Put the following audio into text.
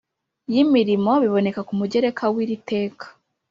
y imirimo biboneka ku mugereka w iri teka